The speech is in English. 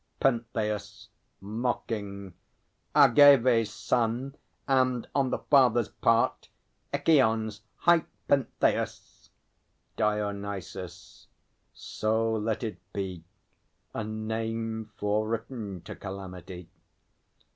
PENTHEUS. (mocking). Agâvê's son, and on the father's part Echîon's, hight Pentheus! DIONYSUS. So let it be, A name fore written to calamity!